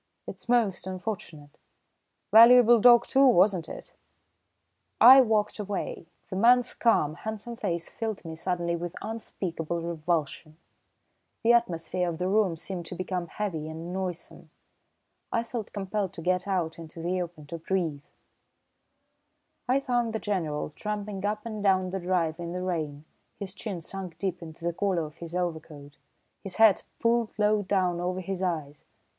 "It's most unfortunate. Valuable dog, too, wasn't it?" I walked away. The man's calm, handsome face filled me suddenly with unspeakable revulsion. The atmosphere of the room seemed to become heavy and noisome. I felt compelled to get out into the open to breathe. I found the General tramping up and down the drive in the rain, his chin sunk deep into the collar of his overcoat, his hat pulled low down over his eyes.